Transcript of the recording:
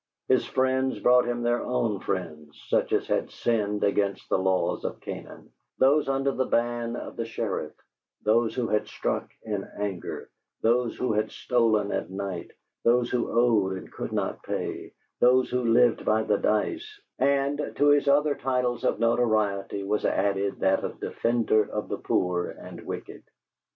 His friends brought him their own friends, such as had sinned against the laws of Canaan, those under the ban of the sheriff, those who had struck in anger, those who had stolen at night, those who owed and could not pay, those who lived by the dice, and to his other titles to notoriety was added that of defender of the poor and wicked.